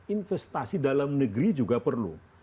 investasi dalam negeri juga perlu